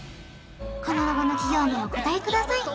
このロゴの企業名をお答えください